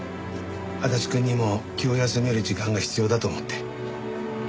足立くんにも気を休める時間が必要だと思って。